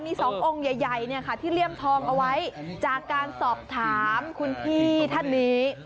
มี๒องค์ใหญ่ที่เลี่ยมทองเอาไว้จากการสอบถามคุณพี่ท่านนี้